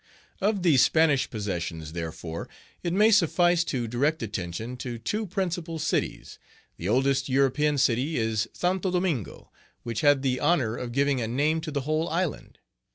Of the Spanish possessions, therefore, it may suffice to direct attention to two principal cities. The oldest European city is Santo Domingo, which had the honor of giving a name to the whole island.